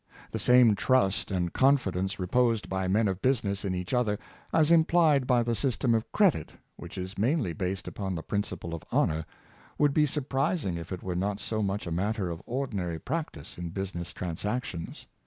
The same trust and confidence reposed by men of business in each other, as implied by the system of credit, which is mainly based upon the principle of honor, would be 372 The Rothschilds. surprising, if it were not so much a matter of ordinary practice in business transactions.